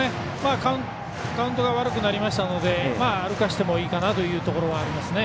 カウントが悪くなったので歩かせてもいいかなというのはありますね。